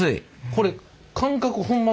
これ感覚ほんま